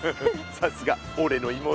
さすがおれの妹。